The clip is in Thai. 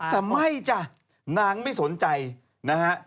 แต่ไม่จ้ะนางไม่สนใจนะฮะ